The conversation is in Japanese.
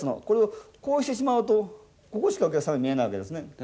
これをこうしてしまうとここしかお客さん見えないわけですね。